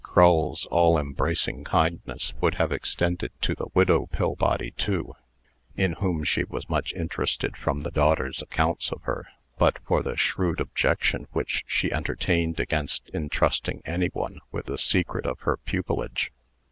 Crull's all embracing kindness would have extended to the widow Pillbody too (in whom she was much interested from the daughter's accounts of her), but for the shrewd objection which she entertained against intrusting any one with the secret of her pupilage.